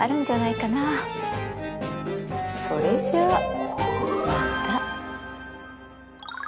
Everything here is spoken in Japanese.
それじゃあまた。